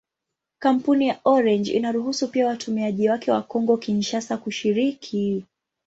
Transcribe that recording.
Kampuni ya Orange inaruhusu pia watumiaji wake wa Kongo-Kinshasa kushiriki.